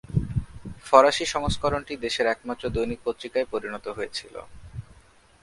ফরাসি সংস্করণটি দেশের একমাত্র দৈনিক পত্রিকায় পরিণত হয়েছিল।